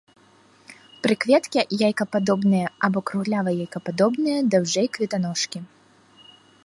Прыкветкі яйкападобныя або круглява-яйкападобныя, даўжэй кветаножкі.